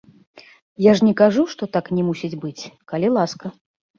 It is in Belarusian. Я ж не кажу, што так не мусіць быць, калі ласка.